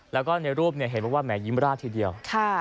แล้วในรูปเห็นเป็นแหมงยิ้มรักทีเดียว